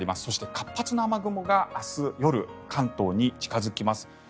そして、活発な雨雲が明日夜、関東に近付きます。